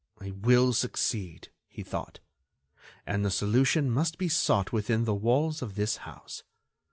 "I will succeed," he thought, "and the solution must be sought within the walls of this house.